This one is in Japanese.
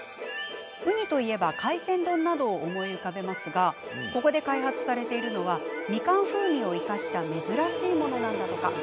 ウニといえば海鮮丼などを思い浮かべますがここで開発されているのはみかん風味を生かした珍しいものなんだとか。